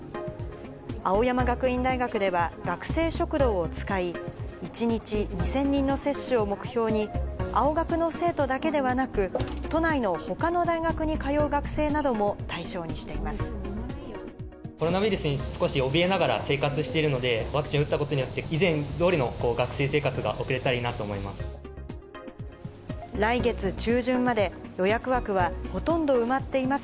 青山学院大学では、学生食堂を使い、１日２０００人の接種を目標に、青学の生徒だけではなく、都内のほかの大学に通う学生なども対象コロナウイルスに少しおびえながら生活しているので、ワクチンを打ったことによって、以前どおりの学生生活が送れたらいいなと思います。